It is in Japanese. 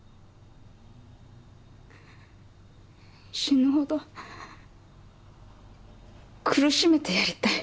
死ぬほど苦しめてやりたい。